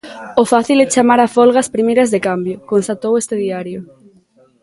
"O fácil é chamar á folga ás primeiras de cambio", constatou a este diario.